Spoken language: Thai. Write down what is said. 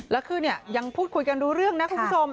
แล้วคือยังพูดคุยกันดูเรื่องนะคุณสม